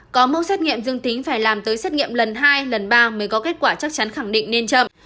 có mẫu xét nghiệm dương tính phải làm tới xét nghiệm lần hai lần ba mới có kết quả chắc chắn khẳng định nên chậm